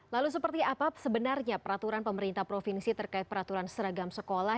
lalu seperti apa sebenarnya peraturan pemerintah provinsi terkait peraturan seragam sekolah